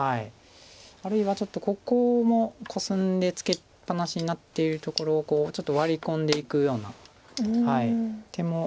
あるいはちょっとここもコスんでツケっぱなしになってるところをちょっとワリ込んでいくような手も。